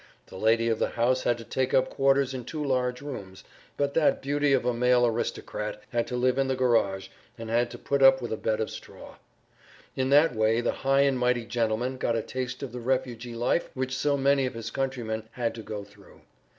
The lady of the house had to take up quarters in two large rooms, but that beauty of a male aristocrat had to live in the garage and had to put up with a bed of straw. In that way the high and mighty gentleman got a taste of the refugee life which so many of his countrymen had to go through.